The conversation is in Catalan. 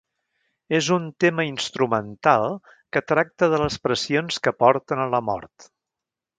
És un tema instrumental que tracta de les pressions que porten a la mort.